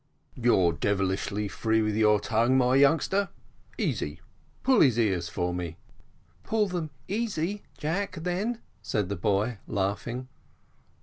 "You're devilish free with your tongue, my youngster. Easy, pull his ears for me." "Pull them easy, Jack, then," said the boy, laughing.